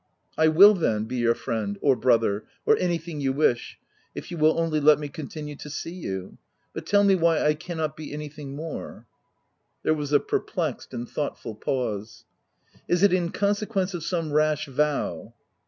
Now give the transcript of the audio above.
" I will, then — be your friend, — or brother, or anything you wish, if you will only let me continue to see you ; but tell me why I cannot be anything more ?" 184 THE TENANT There was a perplexed and thoughtful pause. " Is it in consequence of some rash vow